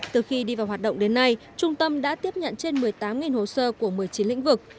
từ khi đi vào hoạt động đến nay trung tâm đã tiếp nhận trên một mươi tám hồ sơ của một mươi chín lĩnh vực